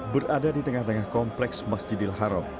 berada di tengah tengah kompleks masjidil haram